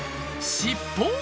尻尾？